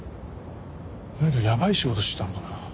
何かやばい仕事してたのかな？